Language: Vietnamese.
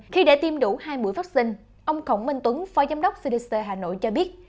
khi để tiêm đủ hai mũi vaccine ông khổng minh tuấn phó giám đốc cdc hà nội cho biết